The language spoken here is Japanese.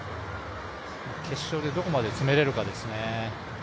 決勝でどこまで詰められるかですね。